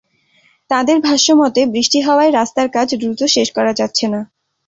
তাঁদের ভাষ্যমতে, বৃষ্টি হওয়ায় রাস্তার কাজ দ্রুত শেষ করা যাচ্ছে না।